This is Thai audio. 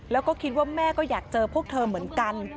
แล้วก็คิดว่าแม่ก็อยากเจอพวกเธอเหมือนกัน